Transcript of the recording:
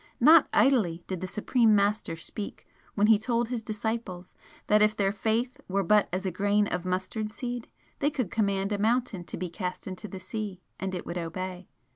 Not idly did the Supreme Master speak when He told His disciples that if their faith were but as a grain of mustard seed they could command a mountain to be cast into the sea, and it would obey.